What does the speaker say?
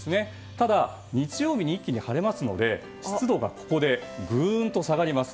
ただ、日曜日に一気に晴れますので湿度がここでグーンと下がります。